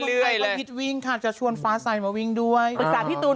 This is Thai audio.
เรื่อยเลยมันก็พิษวิ่งค่ะจะชวนฟ้าไส่มาวิ่งด้วยอุปสรรพ์พี่ตูน